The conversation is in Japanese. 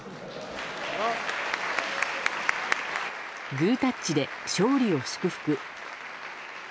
グータッチで勝利を祝福。